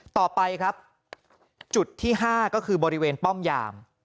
ต่อไปครับจุดที่๕ก็คือบริเวณป้อมยาม